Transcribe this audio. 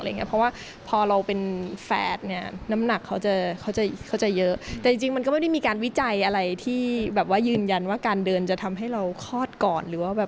เพราะว่าพอเราเป็นแฟสน้ำหนักเขาจะเยอะแต่จริงมันก็ไม่ได้มีการวิจัยอะไรที่ยืนยันว่าการเดินจะทำให้เราคลอดก่อน